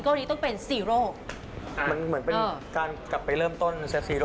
กลัวหนูนหนีนไม่ได้เริ่มสักที